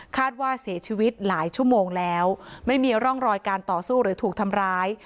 ว่าเสียชีวิตหลายชั่วโมงแล้วไม่มีร่องรอยการต่อสู้หรือถูกทำร้าย